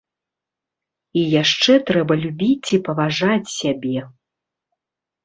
І яшчэ трэба любіць і паважаць сябе.